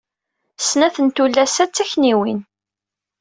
Snat n tullas-a d takniwin.